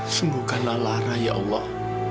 sembukalah lara ya allah